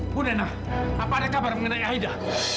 punah apa ada kabar mengenai aida